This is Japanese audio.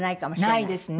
ないですね。